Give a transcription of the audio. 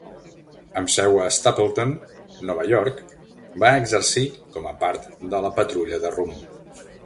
Amb seu a Stapleton, Nova York, va exercir com a part de la Patrulla de Rum.